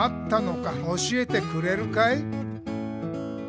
「おしえてくれるかい？」